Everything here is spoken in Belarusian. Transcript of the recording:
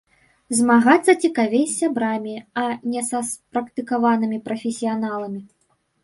Змагацца цікавей з сябрамі, а не са спрактыкаванымі прафесіяналамі.